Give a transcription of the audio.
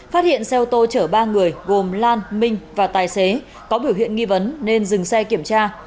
phát hiện xe ô tô chở ba người gồm lan minh và tài xế có biểu hiện nghi vấn nên dừng xe kiểm tra